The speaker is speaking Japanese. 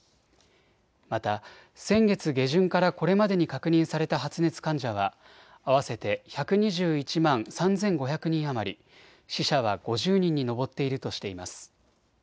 また先月下旬からこれまでに確認された発熱患者は合わせて１２１万３５００人余り、死者は５０人に上っているとしています。